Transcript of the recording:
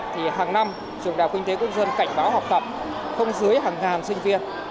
thì hàng năm trường đạo kinh tế quốc dân cảnh báo học tập không dưới hàng ngàn sinh viên